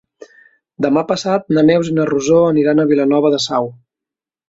Demà passat na Neus i na Rosó aniran a Vilanova de Sau.